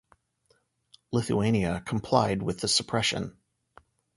Lithuania complied with the suppression.